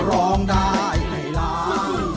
ร้องได้ให้ร้อง